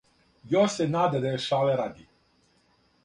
Још се нада да је шале ради;